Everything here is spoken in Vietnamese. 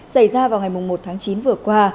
xảy ra vào ngày một tháng chín vừa qua